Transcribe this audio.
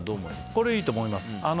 これはいいと思います。